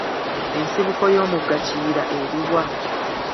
Ensibuko y'omugga Kiyira eri wa?